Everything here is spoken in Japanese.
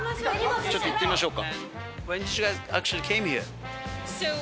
ちょっといってみましょう。